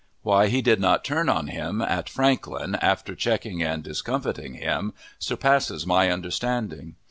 Why he did not turn on him at Franklin, after checking and discomfiting him, surpasses my understanding.